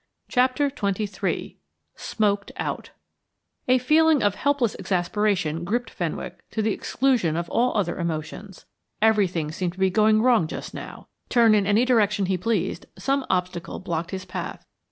CHAPTER XXIII SMOKED OUT A feeling of helpless exasperation gripped Fenwick to the exclusion of all other emotions. Everything seemed to be going wrong just now; turn in any direction he pleased some obstacle blocked his path.